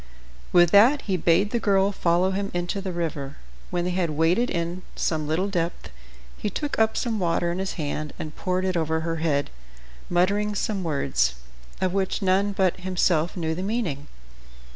With that he bade the girl follow him into the river. When they had waded in some little depth he took up some water in his hand and poured it on her head, muttering some words, of which none but himself knew the meaning.